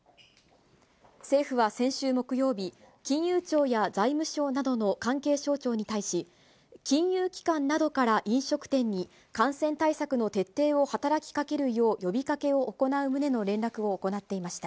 政府は先週木曜日、金融庁や財務省などの関係省庁に対し、金融機関などから飲食店に、感染対策の徹底を働きかけるよう呼びかけを行う旨の連絡を行っていました。